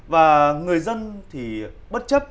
và người dân thì bất chấp